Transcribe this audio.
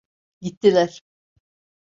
Gittiler.